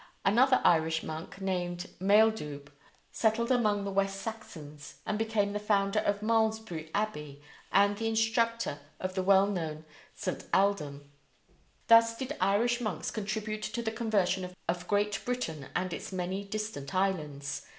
Another Irish monk named Maeldubh settled among the West Saxons and became the founder of Malmesbury Abbey and the instructor of the well known St. Aldhelm. Thus did Irish monks contribute to the conversion of Great Britain and its many distant islands.